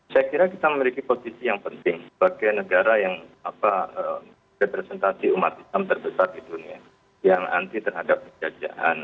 saya kira kita memiliki posisi yang penting sebagai negara yang representasi umat islam terbesar di dunia yang anti terhadap penjajahan